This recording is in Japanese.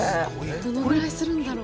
どのぐらいするんだろう。